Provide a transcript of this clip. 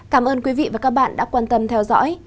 cảm ơn quý vị và các bạn đã quan tâm theo dõi